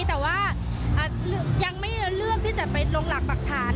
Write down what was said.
แต่ว่ายังไม่เลือกที่จะไปลงหลักปรักฐาน